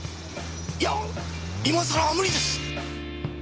いや今さらは無理です！